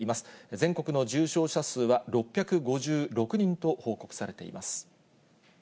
全国の重症者数は６５６人と報告されています。